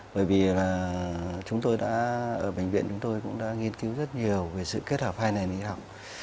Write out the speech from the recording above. bởi vì là chúng tôi đã ở bệnh viện chúng tôi cũng đã nghiên cứu rất nhiều về sự kết hợp hai này đi học